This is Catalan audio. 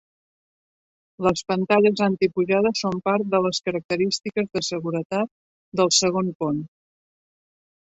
Les pantalles anti-pujades són part de les característiques de seguretat del segon pont.